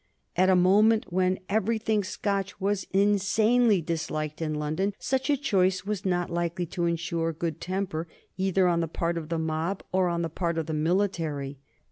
At a moment when everything Scotch was insanely disliked in London such a choice was not likely to insure good temper either on the part of the mob or on the part of the military.